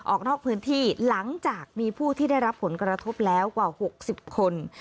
ออกนอกพื้นที่หลังจากมีผู้ที่ได้รับผลกระทบแล้วกว่า๖๐คน